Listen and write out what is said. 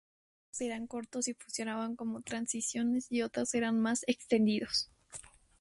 Algunos eran cortos y funcionaban como transiciones y otros eran más extendidos.